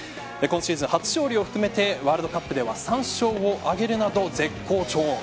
今シーズン初勝利を含めてワールドカップでは３勝を挙げるなど絶好調。